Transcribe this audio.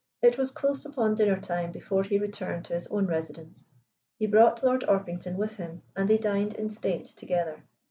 It was close upon dinner time before he returned to his own residence. He brought Lord Orpington with him, and they dined in state together.